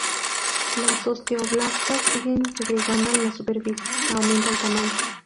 Los osteoblastos siguen segregando en la superficie, que aumenta el tamaño.